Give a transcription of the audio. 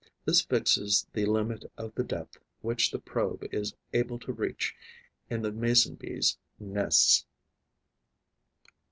This fixes the limit of the depth which the probe is able to reach in the Mason bee's nests.